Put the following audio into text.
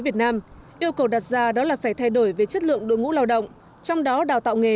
việt nam yêu cầu đặt ra đó là phải thay đổi về chất lượng đội ngũ lao động trong đó đào tạo nghề